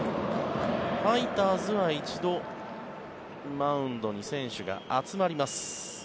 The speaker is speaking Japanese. ファイターズは一度マウンドに選手が集まります。